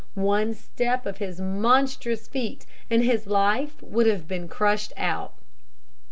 One step of his monstrous feet, and his life would have been crushed out.